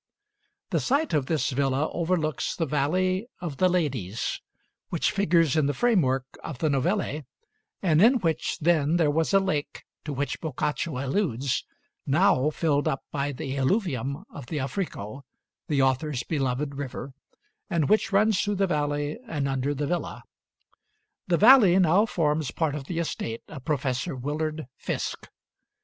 The site of this villa overlooks the Valley of the Ladies, which figures in the framework of the "Novelle," and in which then there was a lake to which Boccaccio alludes, now filled up by the alluvium of the Affrico, the author's beloved river, and which runs through the valley and under the villa. The valley now forms part of the estate of Professor Willard Fiske.